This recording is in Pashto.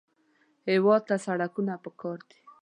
هېواد ته سړکونه پکار دي